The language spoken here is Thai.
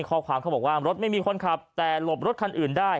ข้อความเขาบอกว่ารถไม่มีคนขับแต่หลบรถคันอื่นได้